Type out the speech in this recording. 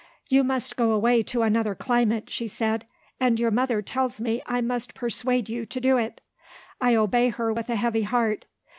"You must go away to another climate," she said; "and your mother tells me I must persuade you to do it. I obey her with a heavy heart.